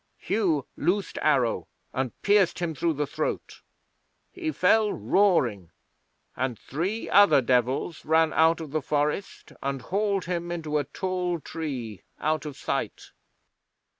Hugh loosed arrow, and pierced him through the throat. He fell roaring, and three other Devils ran out of the forest and hauled him into a tall tree out of sight.